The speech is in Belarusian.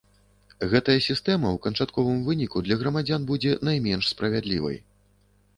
Гэтая сістэма ў канчатковым выніку для грамадзян будзе найменш справядлівай.